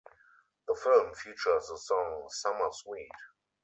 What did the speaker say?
The film features the song "Summer Sweet".